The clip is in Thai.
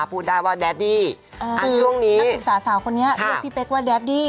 พูดได้ว่าแดดดี้ช่วงนี้นักศึกษาสาวคนนี้เรียกพี่เป๊กว่าแดดดี้